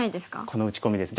この打ち込みです。